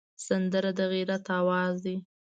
سندره د غیرت آواز دی